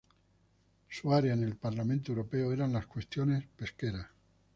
Su área en el Parlamento Europeo eran las cuestiones pesqueras.